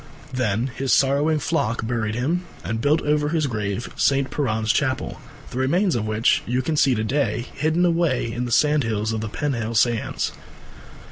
Then his sorrowing flock buried him and built over his grave St. Piran's Chapel, the remains of which you can see to day hidden away in the sandhills of the Penhale Sands.